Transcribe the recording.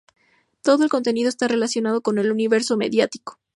Todo el contenido está relacionado con el universo mediático.